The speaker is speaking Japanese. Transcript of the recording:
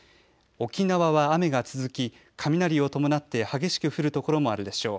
沖縄は雨が続き雷を伴って激しく降る所もあるでしょう。